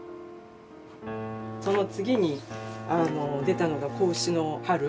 その次に出たのが「仔牛の春」